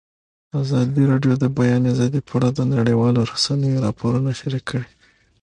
ازادي راډیو د د بیان آزادي په اړه د نړیوالو رسنیو راپورونه شریک کړي.